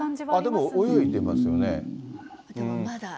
でも、泳いでますよね。